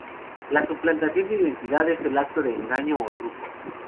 La suplantación de identidad es el acto de engaño o truco.